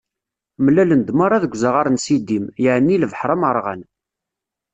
Mlalen-d meṛṛa deg uzaɣar n Sidim, yeɛni lebḥeṛ amerɣan.